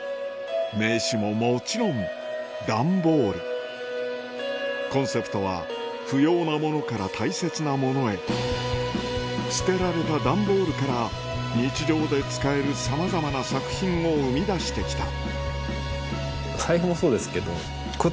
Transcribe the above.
名刺ももちろん段ボールコンセプトは不要なものから大切なものへ捨てられた段ボールから日常で使えるさまざまな作品を生み出して来た